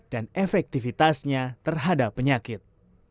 dan efektivitasnya terhadap penyakit